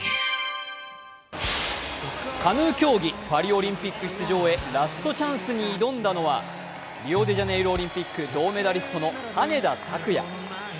カヌー競技、パリオリンピック出場へラストチャンスに挑んだのはリオデジャネイロオリンピック銅メダリストの羽根田卓也。